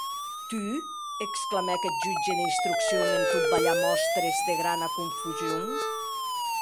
Tu?, exclamèc eth jutge d’instrucción, en tot balhar mòstres de grana confusion.